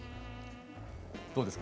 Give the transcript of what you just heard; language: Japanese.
どうですか？